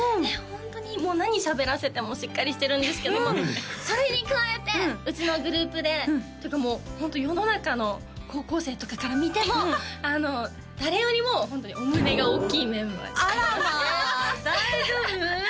ホントにもう何しゃべらせてもしっかりしてるんですけどもそれに加えてうちのグループでってかもうホント世の中の高校生とかから見ても誰よりもホントにお胸が大きいメンバーであらまあ大丈夫？